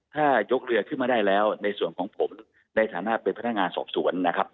ถ้ายกเรือขึ้นมาได้แล้วในส่วนของผมในฐานะเป็นพนักงานสอบสวนนะครับ